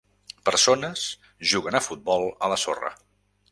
Persones juguen a futbol a la sorra.